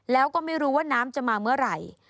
แล้วก็ไม่รู้ว่าน้ำจะมาเมื่อไหร่